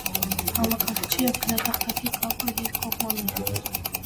Համակարգչի և գրատախտակի կապը երկկողմանի է։